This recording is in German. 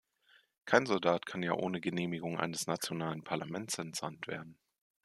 Kein Soldat kann ja ohne Genehmigung eines nationalen Parlaments entsandt werden.